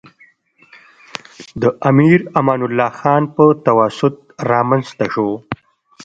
د امیر امان الله خان په تواسط رامنځته شو.